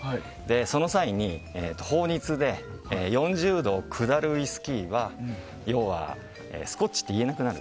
その際に法律で４０度下るウイスキーはスコッチといえなくなる。